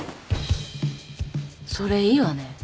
それいいわね。